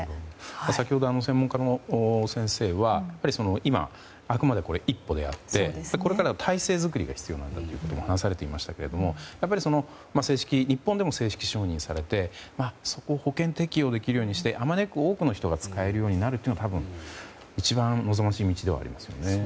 先ほど専門家の先生は今、あくまで一歩であってこれからの体制作りが必要になってくるとも話されていましたけれどもやっぱり日本でも正式承認されて保険適用できるようにしてあまねく多くの人が使えるようになることが一番望ましい道ではありますよね。